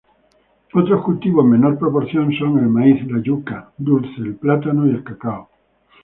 Otros cultivos en menor proporción son el maíz, yuca dulce, plátano y cacao.